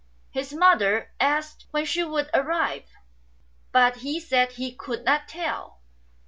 His mother asked when she would arrive ; but he said he could not tell.